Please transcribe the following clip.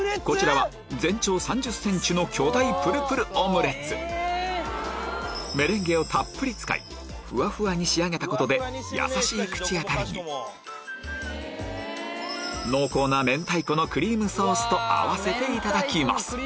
こちらは全長３０ｃｍの巨大プルプルオムレツメレンゲをたっぷり使いフワフワに仕上げたことでやさしい口当たりに濃厚な明太子のクリームソースと合わせていただきます